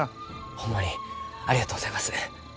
ホンマにありがとうございます。